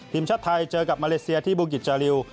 ทีมชาติไทยเจอกับมาเลเซียที่บุกิจจาริว